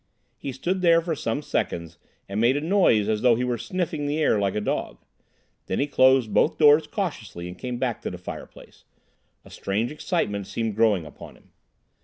He stood there for some seconds and made a noise as though he were sniffing the air like a dog. Then he closed both doors cautiously and came back to the fireplace. A strange excitement seemed growing upon him.